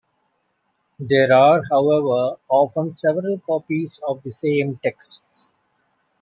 There are, however, often several copies of the same texts.